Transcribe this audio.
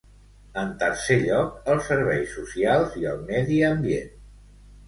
En tercer lloc, els serveis socials i el medi ambient.